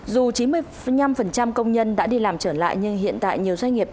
dù chín mươi năm công nhân đã đi làm trở lại nhưng hiện tại nhiều doanh nghiệp